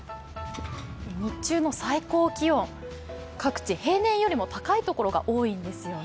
日中の最高気温、各地平年よりも高いところが多いんですよね。